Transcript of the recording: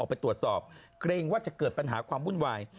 ไปตรวจสอบเกรงว่าจะเกิดปัญหาความวุ่นวาย